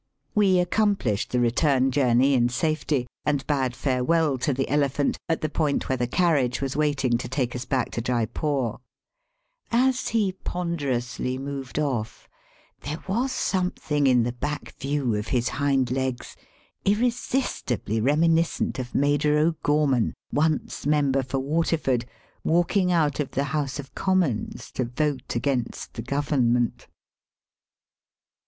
We accomplished the return journey in safety, and bade farewell to the elephant at the point where the carriage was waiting to take us back to Jeypore. As he ponderously moved off, there was something in the back view of his hind legs irresistibly reminiscent of Major O'Gorman, once member for Water ford, walking out of the House of Commons to vote against the Government.